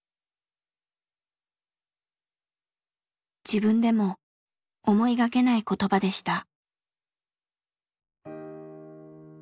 自分でも思いがけない言葉でした。